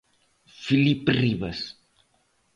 Felipe Rivas.